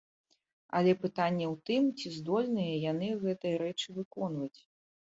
Але пытанне ў тым, ці здольныя яны гэтыя рэчы выконваць?